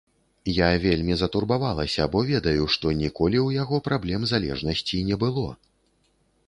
Я вельмі затурбавалася, бо ведаю, што ніколі ў яго праблем залежнасці не было.